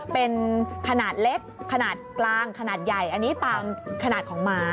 เป็นขนาดเล็กขนาดกลางขนาดใหญ่อันนี้ตามขนาดของหมา